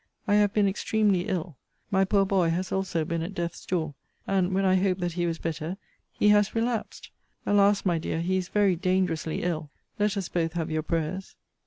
I have been extremely ill. My poor boy has also been at death's door; and, when I hoped that he was better, he has relapsed. Alas! my dear, he is very dangerously ill. Let us both have your prayers!